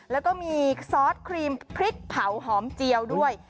แล้วก็มีซอสครีมพริกเผาหอมเจียวด้วย